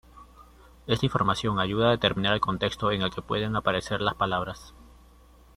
Esta información ayuda a determinar el contexto en el que pueden aparecer las palabras.